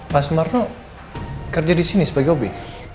pak semarno kerja disini sebagai hobi